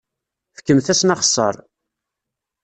Fkemt-asen axeṣṣar!